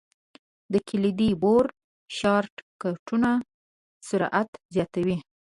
د کلیدي بورډ شارټ کټونه سرعت زیاتوي.